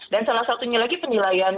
salah satunya lagi penilaian